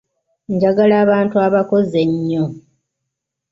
Njagala abantu abakozi ennyo.